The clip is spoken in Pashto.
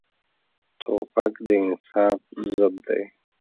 توپک د انصاف ضد دی.